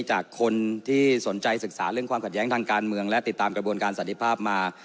จากคนที่สนใจศึกษาเรื่องความขัดแย้งทางการเมืองและติดตามกระบวนการสันติภาพมา